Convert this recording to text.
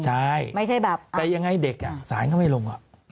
ใช่แต่ยังไงเด็กสารก็ไม่ลง